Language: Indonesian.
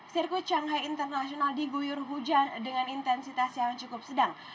sirkuit shanghai international diguyur hujan dengan intensitas yang cukup sedang